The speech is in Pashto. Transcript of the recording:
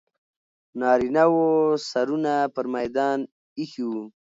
نارینه و سرونه پر میدان ایښي وو.